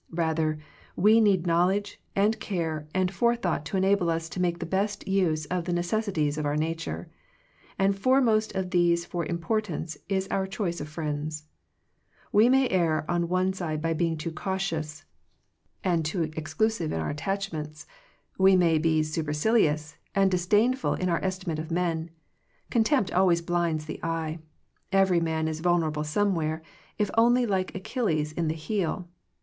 Rather, we need knowledge, and care, and forethought to enable us to make the best use of the necessities of our nature. And foremost of these for im portance is our choice of friends. We may err on the one side by being lou cautious, and too exclusive in our at 91 Digitized by VjOOQIC THE CHOICE OF FRIENDSHIP tachments. We may be supercilious, and disdainful in our estimate of men. Con tempt always blinds the eyes. Every man is vulnerable somewhere, if only like Achilles in the heel.